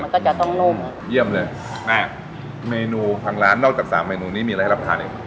ก็จะต้องนุ่มเยี่ยมเลยแม่เมนูทางร้านนอกจากสามเมนูนี้มีอะไรให้รับประทานอีก